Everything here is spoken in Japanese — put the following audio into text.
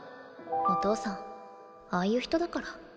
お父さんああいう人だから。